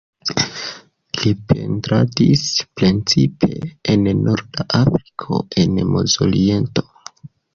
Li pentradis precipe en norda Afriko en Mezoriento.